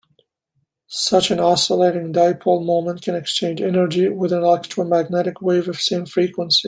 Such an oscillating dipole moment can exchange energy with an electromagnetic wave of same frequency.